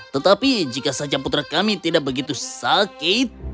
tetapi jika saja putra kami tidak begitu sakit